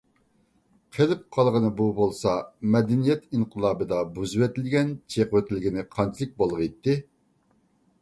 قېلىپ قالغىنى بۇ بولسا، «مەدەنىيەت ئىنقىلابى»دا بۇزۇۋېتىلگەن، چېقىۋېتىلگىنى قانچىلىك بولغىيتتى؟